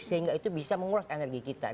sehingga itu bisa menguras energi kita